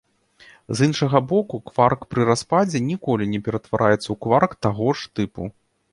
З іншага боку, кварк пры распадзе ніколі не ператвараецца ў кварк таго ж тыпу.